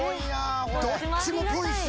・どっちもぽいっすよね。